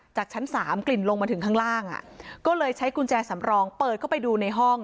จากชั้น๓กลิ่นลงมาถึงข้างล่างก็เลยใช้กุญแจสำรองเปิดเข้าไปดูในห้อง